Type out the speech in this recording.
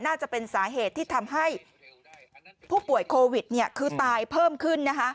น่าจะเป็นสาเหตุที่ทำให้ผู้ป่วยโควิดคือตายเพิ่มขึ้น